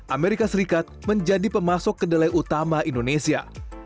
amerika serikat menjadi pemasok kedelai utama indonesia